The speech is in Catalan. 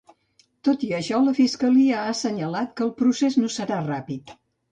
Tot i això, la Fiscalia ha assenyalat que el procés no serà ràpid.